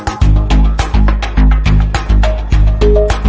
ตอนนี้จะแถมเงินที่หน้ายาม